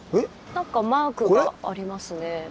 なんかマークがありますね。